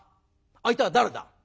相手は誰だ？